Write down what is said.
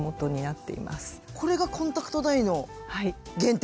これがコンタクトダイの原点？